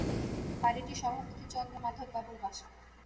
বাড়িটি সভাপতি চন্দ্রমাধববাবুর বাসা।